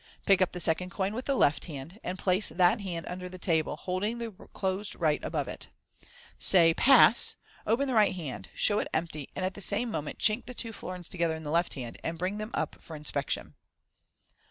Pick up the second coin with the left hand, and place that hand under the table, holding the closed right hand above it. Say " Pass !" open the right hand, show it empty, and at the same moment chink the two florins together in the left hand, and bring them up for inspection.